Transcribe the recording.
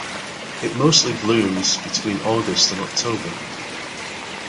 It mostly blooms between August and October.